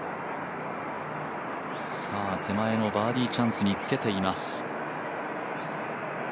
手前のバーディーチャンスにつけています。